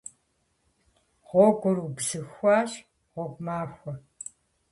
Гъуэгур убзыхуащ. Гъуэгу махуэ!